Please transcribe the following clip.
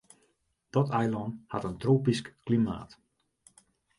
Dat eilân hat in tropysk klimaat.